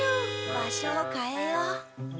場所をかえよう。